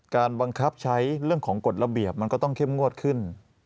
การบังคับใช้เรื่องของกฎระเบียบมันก็ต้องเข้มงวดขึ้น